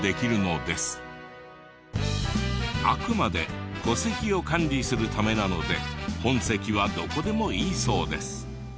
あくまで戸籍を管理するためなので本籍はどこでもいいそうです。